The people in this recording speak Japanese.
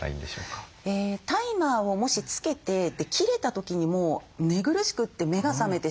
タイマーをもしつけて切れた時にもう寝苦しくて目が覚めてしまう。